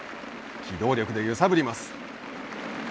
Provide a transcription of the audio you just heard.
機動力で揺さぶります。